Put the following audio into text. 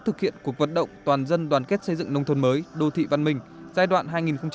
thực hiện cuộc vận động toàn dân đoàn kết xây dựng nông thôn mới đô thị văn minh giai đoạn hai nghìn một mươi sáu hai nghìn hai mươi